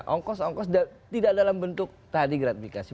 ongkos ongkos tidak dalam bentuk tadi gratifikasi